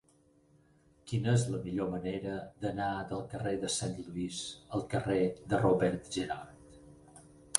Quina és la millor manera d'anar del carrer de Saint Louis al carrer de Robert Gerhard?